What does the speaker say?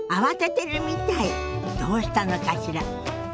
どうしたのかしら。